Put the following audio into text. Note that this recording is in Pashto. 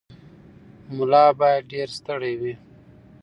ملا باید ډېر ستړی وي.